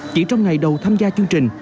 chỉ trong ngày đầu tham gia chương trình